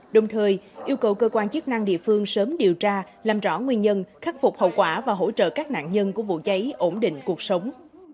đồng thời yêu cầu cơ quan chức năng địa phương sớm điều tra làm rõ nguyên nhân khắc phục hậu quả và hỗ trợ các nạn nhân của vụ cháy ổn định cuộc sống